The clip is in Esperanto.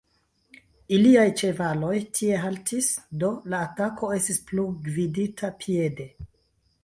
Iliaj ĉevaloj tie haltis, do la atako estis plu gvidita piede.